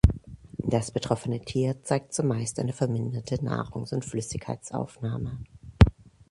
Das betroffene Tier zeigt zumeist eine verminderte Nahrungs- und Flüssigkeitsaufnahme.